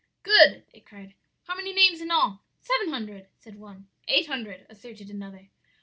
"'Good!' they cried, 'how many names in all?' "'Seven hundred,' said one. "'Eight hundred,' asserted another.